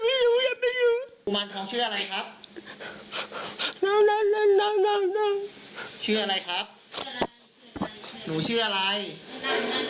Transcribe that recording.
ผมคุยอยู่กับใครครับ